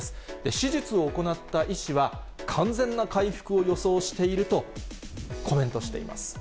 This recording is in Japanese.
手術を行った医師は、完全な回復を予想しているとコメントしています。